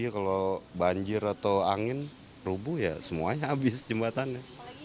kalau banjir atau angin rubuh ya semuanya habis jembatannya